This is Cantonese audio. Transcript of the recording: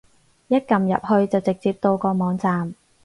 一撳入去就直接到個網站